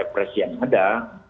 pp yang ada